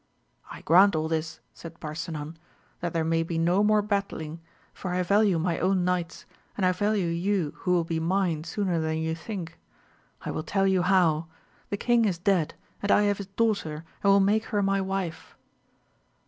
I grant all this, said Barsinan, that there may be no more battling, for I value my own knights, and I value you who will be mine sooner than you think. I will tell you how : the king is dead, and I have his daughter and will make her my wife.